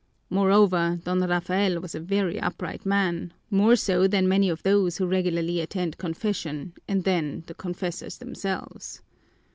Moreover, Don Rafael was a very upright man, more so than many of those who regularly attend confession and than the confessors themselves.